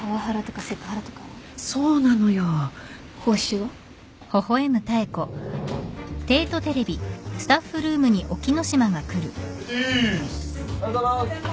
おはようございます。